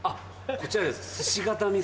こちらですね。